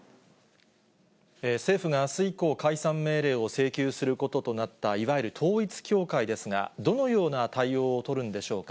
政府があす以降、解散命令を請求することとなった、いわゆる統一教会ですが、どのような対応を取るんでしょうか。